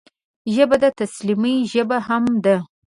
ژبه د تسلیمۍ ژبه هم ده